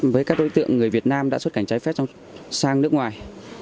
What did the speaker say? với các đối tượng người việt nam đã xuất cảnh trái phép sang nước ngoài